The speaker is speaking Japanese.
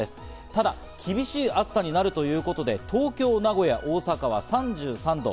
ただ厳しい暑さになるということで東京、名古屋、大阪は３３度。